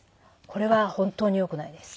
これは本当によくないです。